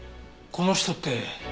この人って。